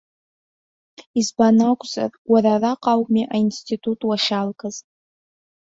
Избан акәзар, уара араҟа ауми аинститут уахьалгаз!